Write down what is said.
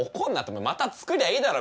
また作りゃいいだろ。